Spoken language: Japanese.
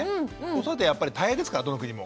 子育てはやっぱり大変ですからどの国も。